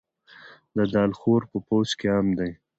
د دال خوراک په پوځ کې عام دی.